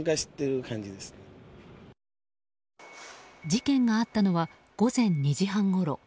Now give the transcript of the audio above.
事件があったのは午前２時半ごろ。